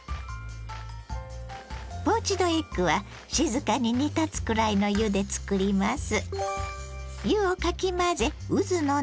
ポーチドエッグは静かに煮立つくらいの湯で作ります。